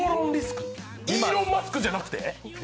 イーロン・マスクじゃなくて？